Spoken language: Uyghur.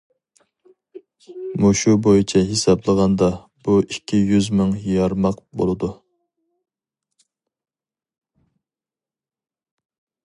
مۇشۇ بويىچە ھېسابلىغاندا، بۇ ئىككى يۈز مىڭ يارماق بولىدۇ.